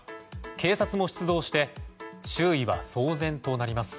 警察も出動して周囲は騒然となります。